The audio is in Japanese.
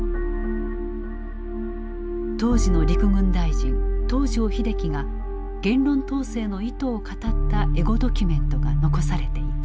当時の陸軍大臣東條英機が言論統制の意図を語ったエゴドキュメントが残されていた。